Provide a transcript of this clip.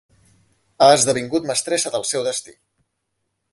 Ha esdevingut mestressa del seu destí.